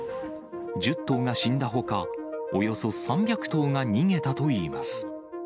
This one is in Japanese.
１０頭が死んだほか、およそ３００頭が逃げたといいます。